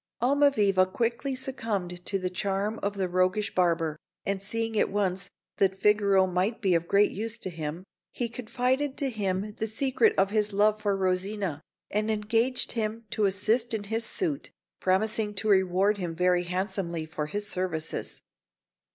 Almaviva quickly succumbed to the charm of the roguish barber; and seeing at once that Figaro might be of great use to him, he confided to him the secret of his love for Rosina, and engaged him to assist in his suit, promising to reward him very handsomely for his services.